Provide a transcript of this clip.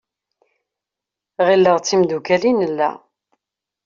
Ɣileɣ d timddukal i nella.